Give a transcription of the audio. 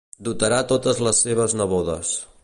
Dotarà totes les seves nebodes.